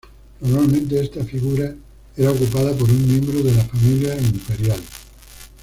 Normalmente esta figura era ocupada por un miembro de la familia imperial.